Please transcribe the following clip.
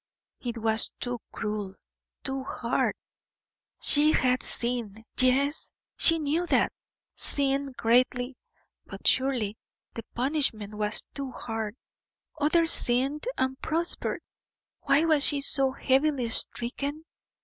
It was too cruel too hard. She had sinned yes, she knew that sinned greatly; but surely the punishment was too hard. Others sinned and prospered; why was she so heavily stricken?